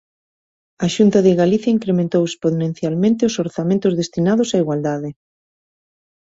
A Xunta de Galicia incrementou exponencialmente os orzamentos destinados á igualdade.